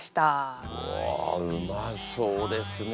うわうまそうですね。